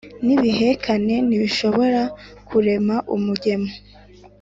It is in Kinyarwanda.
n’ibihekane ntibishobora kurema umugemo